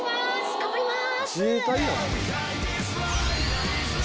頑張ります。